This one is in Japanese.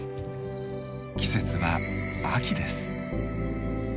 季節は秋です。